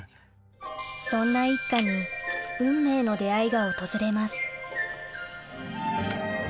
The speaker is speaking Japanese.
そんな一家に運命の出会いが訪れます